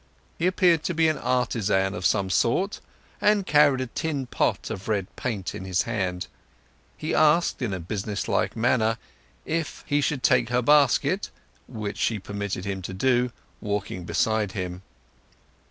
He appeared to be an artisan of some sort, and carried a tin pot of red paint in his hand. He asked in a business like manner if he should take her basket, which she permitted him to do, walking beside him.